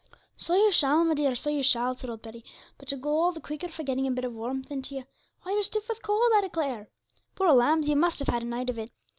'So you shall, my dear; so you shall,' said old Betty; 'but you'll go all the quicker for getting a bit of warmth into you; why, you're stiff with cold, I declare. Poor lambs, you must have had a night of it!